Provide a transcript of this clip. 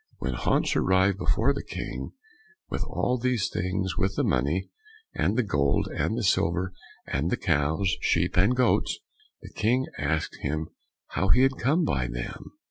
When Hans arrived before the King, with all these things—with the money, and the gold, and the silver and the cows, sheep and goats, the King asked him how he had come by them.